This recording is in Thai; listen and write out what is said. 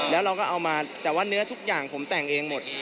แล้วเราก็เอามาแต่ว่าเนื้อทุกอย่างผมแต่งเองหมด